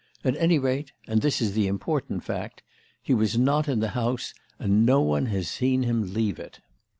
At any rate and this is the important fact he was not in the house, and no one had seen him leave it.